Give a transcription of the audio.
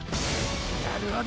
なるほど！